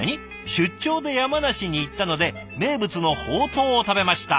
「出張で山梨に行ったので名物のほうとうを食べました。